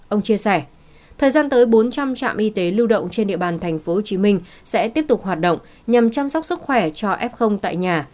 ông chia sẻ thời gian tới bốn trăm linh trạm y tế lưu động trên địa bàn tp hcm sẽ tiếp tục hoạt động nhằm chăm sóc sức khỏe cho f tại nhà